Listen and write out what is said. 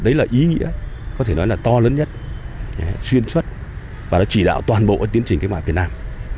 đấy là ý nghĩa có thể nói là to lớn nhất xuyên suốt và nó chỉ đạo toàn bộ tiến trình cách mạng việt nam